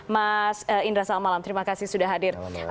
mas indra selamat malam terima kasih sudah hadir